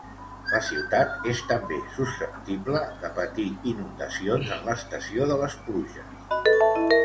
La ciutat és també susceptible de patir inundacions en l'estació de les pluges.